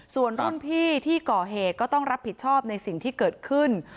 ส่วนรุ่นพี่ที่ก่อเหตุก็ต้องรับผิดชอบในสิ่งที่เกิดขึ้น